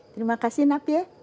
terima kasih nap ya